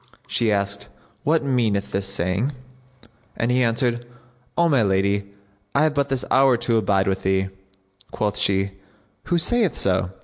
She asked, "What meaneth this saying?"; and he answered, "O my lady, I have but this hour to abide with thee." Quoth she "Who saith so?"